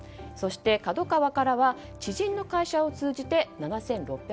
ＫＡＤＯＫＡＷＡからは知人の会社を通じて７６００万円。